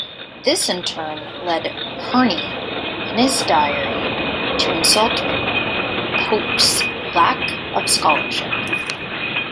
This in turn led Hearne in his diary to insult Pope's lack of scholarship.